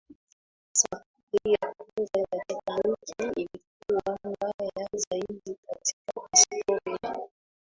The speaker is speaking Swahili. safari ya kwanza ya titanic ilikuwa mbaya zaidi katika historia